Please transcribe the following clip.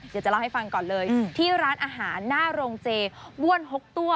เดี๋ยวจะเล่าให้ฟังก่อนเลยที่ร้านอาหารหน้าโรงเจบ้วน๖ตัว